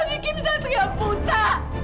bikin saya teriak buta